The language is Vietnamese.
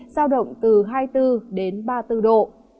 giao động từ hai mươi bốn đến ba mươi bốn độ